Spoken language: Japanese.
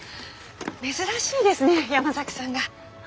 珍しいですね山崎さんが。